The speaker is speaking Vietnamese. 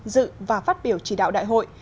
dự và phát biểu chỉ đạo đại hội